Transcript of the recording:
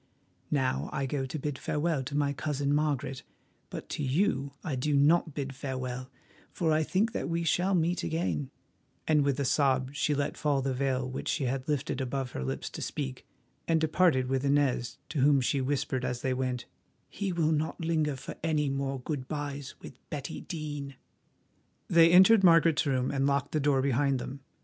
Now I go to bid farewell to my cousin Margaret, but to you I do not bid farewell, for I think that we shall meet again," and with a sob she let fall the veil which she had lifted above her lips to speak and departed with Inez, to whom she whispered as they went, "He will not linger for any more good byes with Betty Dene." They entered Margaret's room and locked the door behind them.